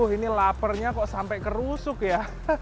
ini laparnya kok sampai kerusuk ya